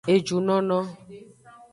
Ejunono.